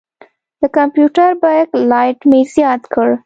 د کمپیوټر بیک لایټ مې زیات کړ.